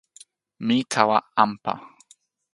mi tawa anpa.